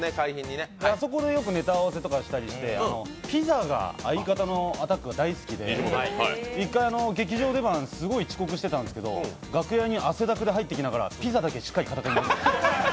あそこでよくネタ合わせとかしたり、ピザが、相方のアタックが大好きで１回劇場出番、すごく遅刻してたんですけど楽屋に汗だくで入ってきながら、ピザだけしっかり片手に持ってて。